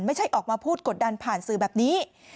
ไม่ใช่ออกมาพูดกดดันผ่านสื่อแบบนี้